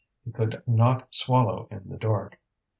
He could not swallow in the dark.